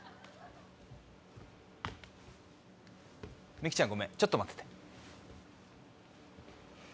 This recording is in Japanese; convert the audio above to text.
ミキちゃんごめんちょっと待ってて。